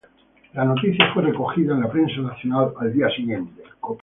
La noticia fue recogida en la prensa nacional al día siguiente.